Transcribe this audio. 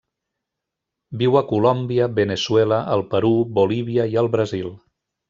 Viu a Colòmbia, Veneçuela, el Perú, Bolívia i el Brasil.